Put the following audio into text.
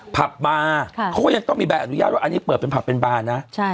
ผับบาร์เขาก็ยังต้องมีใบอนุญาตว่าอันนี้เปิดเป็นผับเป็นบาร์นะ